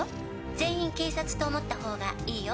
「全員警察と思ったほうがいいよ」